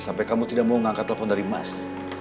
sampai kamu tidak mau angkat handphone dari mas